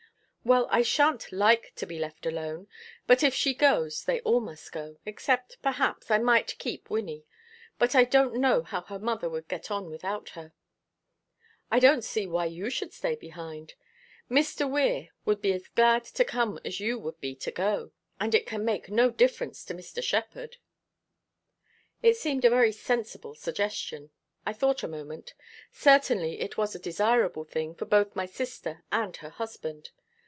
"Well, I sha'n't like to be left alone; but if she goes they must all go, except, perhaps, I might keep Wynnie. But I don't know how her mother would get on without her." "I don't see why you should stay behind. Mr. Weir would be as glad to come as you would be to go; and it can make no difference to Mr. Shepherd." It seemed a very sensible suggestion. I thought a moment. Certainly it was a desirable thing for both my sister and her husband.